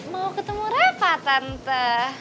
mau ketemu repa tante